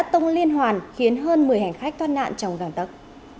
tông liên hoàn khiến hơn một mươi hành khách toàn nạn trong gàng tấc